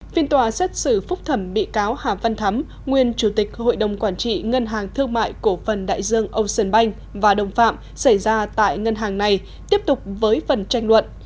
phiên tòa xét xử phúc thẩm bị cáo hà văn thắm nguyên chủ tịch hội đồng quản trị ngân hàng thương mại cổ phần đại dương ocean bank và đồng phạm xảy ra tại ngân hàng này tiếp tục với phần tranh luận